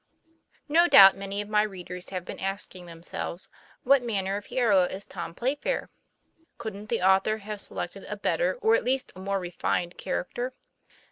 NO doubt many of my readers have been asking themselves what manner of hero is Tom Play fair. Couldn't the author have selected a better, or at least a more refined character